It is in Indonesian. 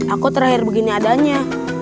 aku terakhir begini adanya